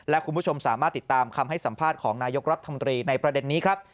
และคุณผู้ชมสามารถติดตามคำให้สัมภาษณ์ของนายกรัฐมนตรีในประเด็นนี้ครับ